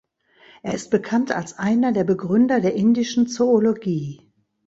Er ist bekannt als einer der Begründer der indischen Zoologie.